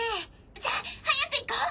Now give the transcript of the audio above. じゃ早く行こう！